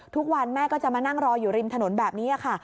ทุกวันแม่ก็จะมานั่งรออยู่ริมถนนแบบนี้ค่ะ